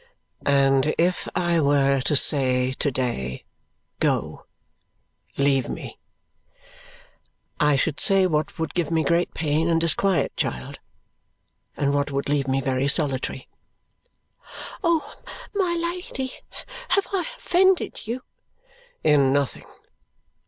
"And if I were to say to day, 'Go! Leave me!' I should say what would give me great pain and disquiet, child, and what would leave me very solitary." "My Lady! Have I offended you?" "In nothing.